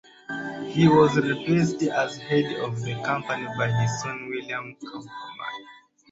He was replaced as head of the company by his son William Kaufman.